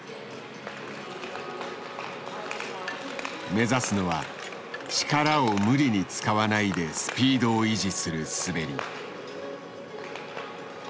目指すのは力を無理に使わないでスピードを維持する滑り。